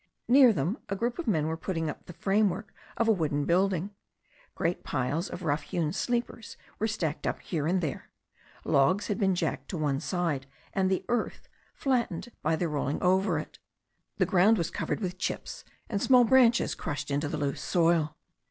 Near them a group of men were putting up the framework of a wooden building. Great piles of rough hewn sleepers were stacked up here and there. Logs had been jacked to one side, and the earth flattened by their rolling over it. The ground was covered with chips and small branches crushed into the loose soil.